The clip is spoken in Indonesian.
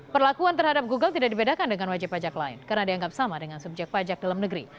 perlakuan terhadap google tidak dibedakan dengan wajib pajak lain karena dianggap sama dengan subjek pajak dalam negeri